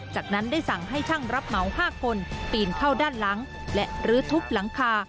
จากนั้นได้สั่งให้ช่างรับเหมา๕คนปีนเข้าด้านหลังและลื้อทุบหลังคา